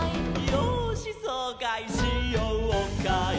「よーしそうかいしようかい」